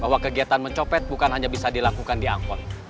bahwa kegiatan mencopet bukan hanya bisa dilakukan di angkot